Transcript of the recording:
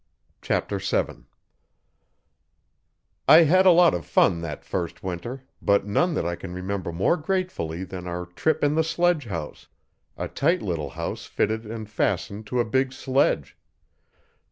Chapter 7 I had a lot of fun that first winter, but none that I can remember more gratefully than our trip in the sledgehouse a tight little house fitted and fastened to a big sledge.